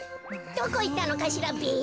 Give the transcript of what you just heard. どこいったのかしらべ。